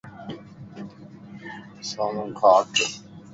سامو کان ھٽ